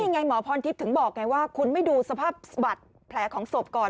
หมอพรทิพย์ถึงบอกไงว่าคุณไม่ดูสภาพบัตรแผลของศพก่อน